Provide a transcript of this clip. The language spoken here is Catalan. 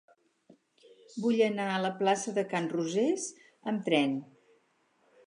Vull anar a la plaça de Can Rosés amb tren.